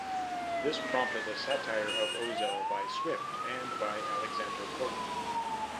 This prompted a satire of Ozell by Swift and by Alexander Pope.